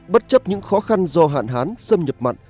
bất chấp những khó khăn do hạn hán xâm nhập mặn